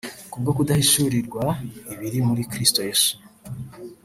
Ku bwo kudahishurirwa ibiri muri Kristo Yesu